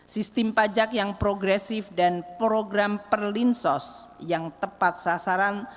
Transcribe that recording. sistem pajak yang progresif dan program perlinsos yang tepat sasaran